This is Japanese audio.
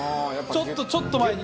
ちょっとちょっと前に。